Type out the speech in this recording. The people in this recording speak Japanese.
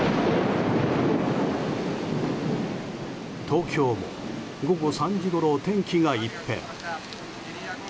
東京も午後３時ごろ天気が一変。